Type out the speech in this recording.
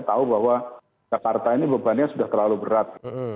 tahu bahwa jakarta ini bebannya sudah terlalu berat